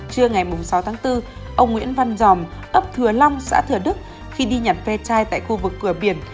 trưa ngày sáu tháng bốn ông nguyễn văn giòm ấp thừa long xã thừa đức khi đi nhặt ve chai tại khu vực cửa biển